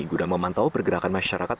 sudah memantau pergerakan masyarakat